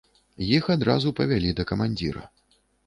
Іх адразу павялі да камандзіра.